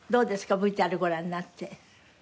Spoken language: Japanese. ＶＴＲご覧になって。